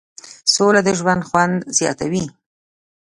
سوله د ژوند خوند زیاتوي.